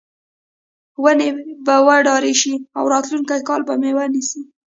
ونې به وډارې شي او راتلونکي کال به میوه ونیسي.